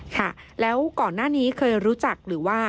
ค่ะแล้วก่อนหน้านี้เคยรู้จักหรือว่า